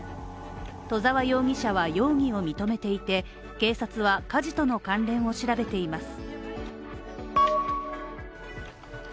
戸澤容疑者は容疑を認めていて警察は、火事との関連を調べています。